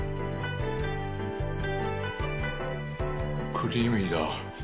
クリーミーだ